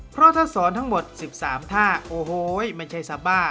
เพราะถ้าสอนทั้งหมด๑๓ท่าโอ้โหไม่ใช่ซาบ้า